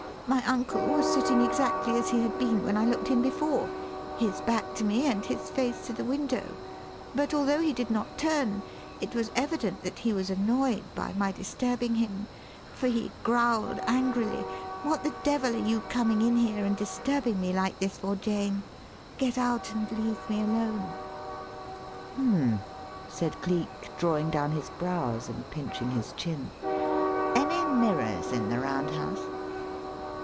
My uncle was sitting exactly as he had been when I looked in before his back to me and his face to the window but although he did not turn, it was evident that he was annoyed by my disturbing him, for he growled angrily, 'What the devil are you coming in here and disturbing me like this for, Jane? Get out and leave me alone.'" "Hum m m!" said Cleek, drawing down his brows and pinching his chin. "Any mirrors in the Round House?"